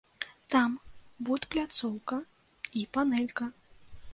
Там будпляцоўка і панэлька.